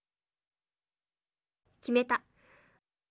決めた！